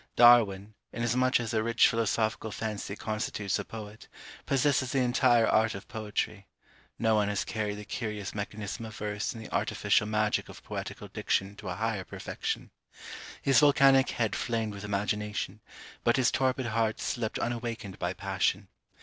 Darwin, inasmuch as a rich philosophical fancy constitutes a poet, possesses the entire art of poetry; no one has carried the curious mechanism of verse and the artificial magic of poetical diction to a higher perfection. His volcanic head flamed with imagination, but his torpid heart slept unawakened by passion.